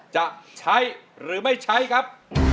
จะใช้หรือไม่ใช้ครับ